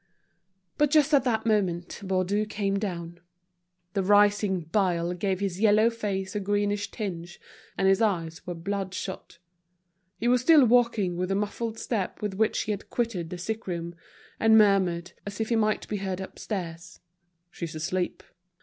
But just at that moment Baudu came down. The rising bile gave his yellow face a greenish tinge, and his eyes were bloodshot. He was still walking with the muffled step with which he had quitted the sick room, and murmured, as if he might be heard upstairs, "She's asleep."